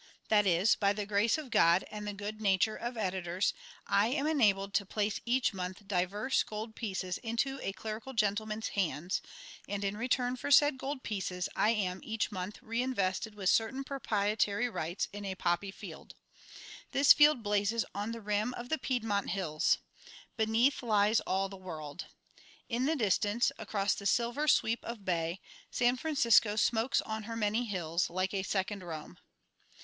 That is, by the grace of God and the good nature of editors, I am enabled to place each month divers gold pieces into a clerical gentleman's hands, and in return for said gold pieces I am each month reinvested with certain proprietary rights in a poppy field. This field blazes on the rim of the Piedmont Hills. Beneath lies all the world. In the distance, across the silver sweep of bay, San Francisco smokes on her many hills like a second Rome.